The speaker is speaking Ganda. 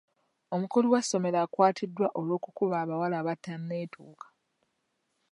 Omukulu w'essomero akwatiddwa olw'okukuba abawala abatanneetuuka.